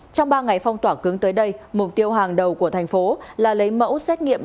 trong ba ngày phong tỏa cứng tới đây mục tiêu hàng đầu của thành phố là lấy mẫu xét nghiệm